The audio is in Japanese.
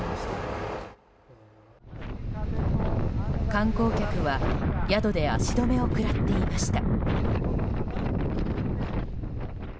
観光客は宿で足止めを食らっていました。